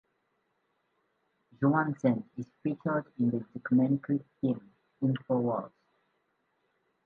Johansen is featured in the documentary film "Info Wars".